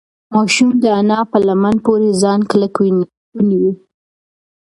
ماشوم د انا په لمن پورې ځان کلک ونیو.